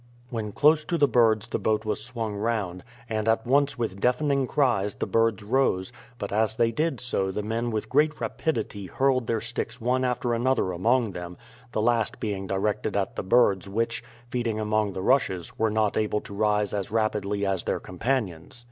When close to the birds the boat was swung round, and at once with deafening cries the birds rose; but as they did so the men with great rapidity hurled their sticks one after another among them, the last being directed at the birds which, feeding among the rushes, were not able to rise as rapidly as their companions.